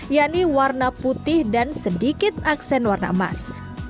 yakni warna putih dan sedikit aksen warna emas